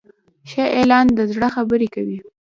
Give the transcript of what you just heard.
ښه اعلان د زړه خبرې کوي.